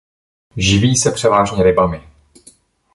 Živí se převážně rybami.